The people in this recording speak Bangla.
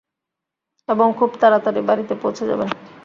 এবং খুব তাড়াতাড়ি বাড়িতে পৌঁছে যাবেন।